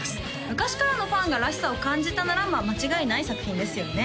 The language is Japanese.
昔からのファンが「らしさ」を感じたなら間違いない作品ですよね